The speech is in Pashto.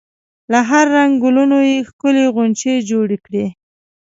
له هر رنګ ګلونو یې ښکلې غونچې جوړې کړي.